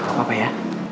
gak apa apa ya